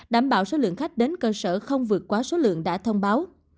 đảm bảo số lượng khách đến cơ sở không vượt quá số lượng đã thông báo